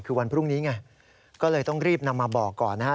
คือวันพรุ่งนี้ไงก็เลยต้องรีบนำมาบอกก่อนนะฮะ